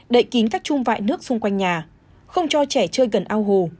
đậy kín các chung vải nước xung quanh nhà không cho trẻ chơi gần ao hồ